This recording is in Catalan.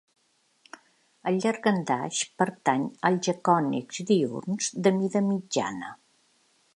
El llangardaix pertany als gecònids diürns de mida mitjana.